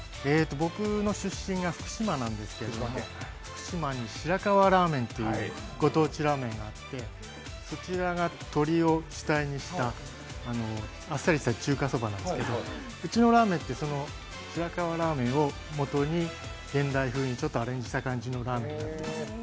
僕の出身が福島なんですけども、福島に白河ラーメンっていうご当地ラーメンがあって、そちらが鶏を主体にしたあっさりした中華そばなんですけど、うちのラーメンは白河ラーメンをもとに現代風にアレンジしたラーメンです。